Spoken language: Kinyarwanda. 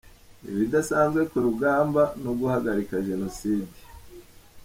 Ibidasanzwe ku rugamba no guhagarika jenoside.